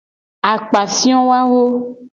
Akpafio wawo.